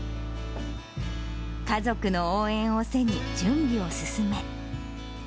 家族の応援を背に、準備を進め。